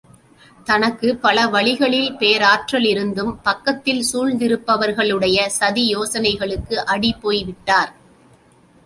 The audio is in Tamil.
தனக்கு பல வழிகளில் போராற்றலிருந்தும் பக்கத் தில் சூழ்ந்திருப்பவர்களுடைய சதியோசனைகளுக்கு அடிபோய் விட்டார்.